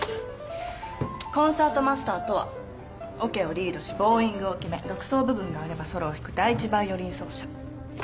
コンサートマスターとはオケをリードしボウイングを決め独奏部分があればソロを弾く第１バイオリン奏者。